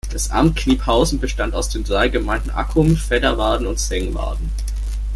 Das Amt Kniphausen bestand aus den drei Gemeinden Accum, Fedderwarden und Sengwarden.